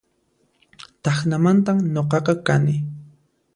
Tacnamantan nuqaqa kani